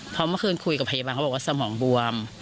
เพราะเมื่อคืนคุยกับพยาบาลเขาบอกว่าสมองบวม